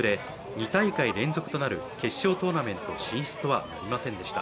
２大会連続となる決勝トーナメント進出とはなりませんでした。